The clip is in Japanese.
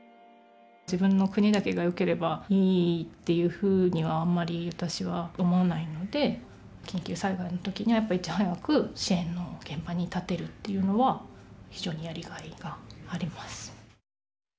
自分の国だけがよければいいっていうふうにはあんまり私は思わないので緊急災害の時にはやっぱいち早く支援の現場に立てるっていうのは非常にやりがいがあります。